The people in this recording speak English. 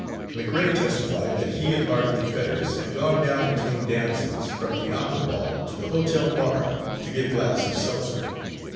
McRae testified that he and Barclay Fetters had gone down between dances, from the Opera Ball, to the hotel bar, to get a glass of seltzer.